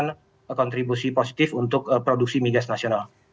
dan juga memberikan kontribusi positif untuk produksi bigas nasional